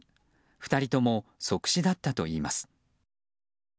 ２人とも即死だったといいます。